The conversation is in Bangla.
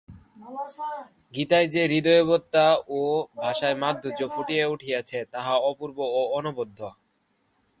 গীতায় যে হৃদয়বত্তা ও ভাষার মাধুর্য ফুটিয়া উঠিয়াছে, তাহা অপূর্ব ও অনবদ্য।